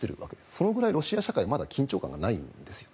それくらいロシア社会はまだ緊張感がないんです。